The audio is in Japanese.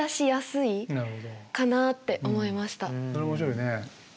それは面白いね。